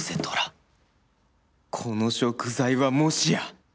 この食材はもしや